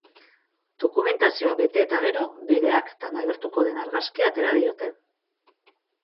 Dokumentazioa bete eta gero, bere aktan agertuko den argazkia atera diote.